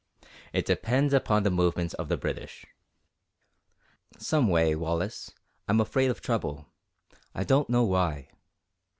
It depends upon the movements of the British." "Some way, Wallace, I'm afraid of trouble I don't know why."